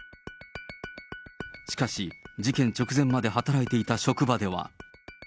しかし、事件直前まで働いていた職場では。